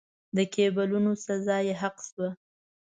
د کېبولونو سزا یې حق شوه.